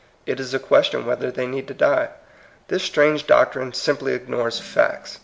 It is a question whether they need to die. This strange doctrine simply ignores facts.